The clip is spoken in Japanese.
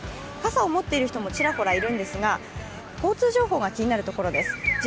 傘を持っている人もちらほらいるんですが交通情報が気になるところです。